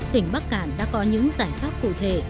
tỉnh bắc cản đã có những giải pháp cụ thể